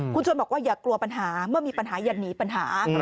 คุณชวนบอกว่าอย่ากลัวปัญหาเมื่อมีปัญหาอย่าหนีปัญหา